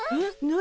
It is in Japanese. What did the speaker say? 何？